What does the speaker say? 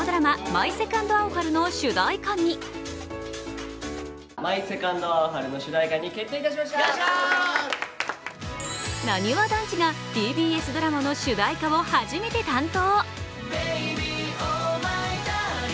「マイ・セカンド・アオハル」の主題歌になにわ男子がＴＢＳドラマの主題歌を初めて担当。